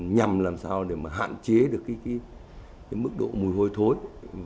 nhằm làm sao để mà hạn chế được cái mức độ mùi hôi thối